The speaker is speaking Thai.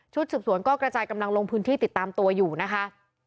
ชุภีสุดสวนก็กระจายกำลังติดตามตัวอยู่นะคะ